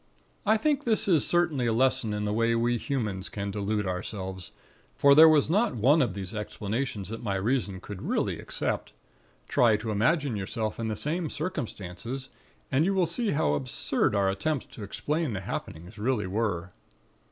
"I think this is certainly a lesson on the way we humans can delude ourselves; for there was not one of these explanations that my reason could really accept. Try to imagine yourself in the same circumstances, and you will see how absurd our attempts to explain the happenings really were.